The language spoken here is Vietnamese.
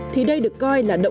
thì đây được coi là một cơ cấu